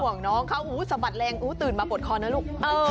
น้องเขาสะบัดแรงอู้ตื่นมาปวดคอนะลูก